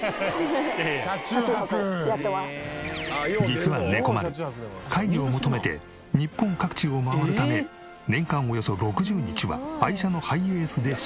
実はねこまる怪魚を求めて日本各地を回るため年間およそ６０日は愛車のハイエースで車中泊。